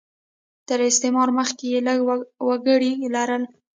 تر استعمار مخکې یې لږ وګړي لرل.